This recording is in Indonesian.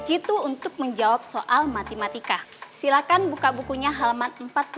itu untuk menjawab soal matematika silakan buka bukunya halaman empat puluh